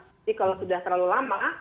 jadi kalau sudah terlalu lama